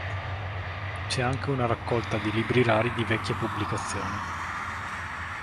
C'è anche una raccolta di libri rari di vecchie pubblicazioni.